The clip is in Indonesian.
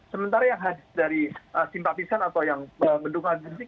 sementara yang dari simpatisan atau yang pendukung agensik